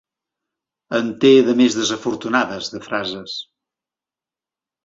En té de més desafortunades, de frases.